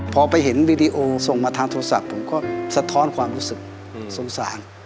พอไปเห็นวีดีโอส่งมาทางโทรศัพท์ผมก็สะท้อนความรู้สึกสงสาร